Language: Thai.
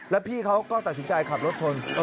แล้วพี่เขาก็ตัดสินใจขับรถชน